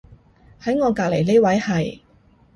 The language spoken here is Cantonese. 喺我隔離呢位係